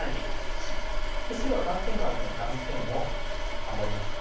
白は断点があるので断点を守りました。